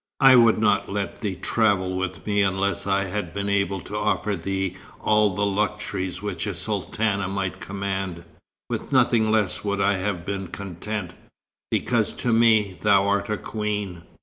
I would not let thee travel with me unless I had been able to offer thee all the luxuries which a sultana might command. With nothing less would I have been content, because to me thou art a queen."